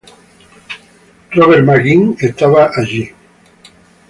Robert McGuinn estaba allí.